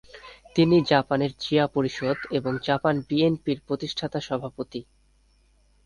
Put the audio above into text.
তিনি জাপানের জিয়া পরিষদ ও জাপান বিএনপির প্রতিষ্ঠাতা সভাপতি।